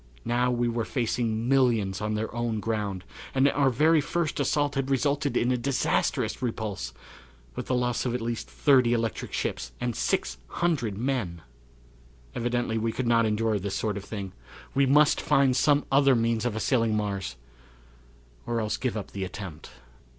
Now we were facing millions on their own ground, and our very first assault had resulted in a disastrous repulse, with the loss of at least thirty electric ships and 600 men! Evidently we could not endure this sort of thing. We must find some other means of assailing Mars or else give up the attempt.